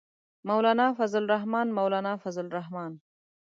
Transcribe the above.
مولانا فضل الرحمن، مولانا فضل الرحمن.